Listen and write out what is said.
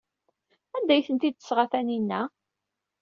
Anda ay tent-id-tesɣa Taninna?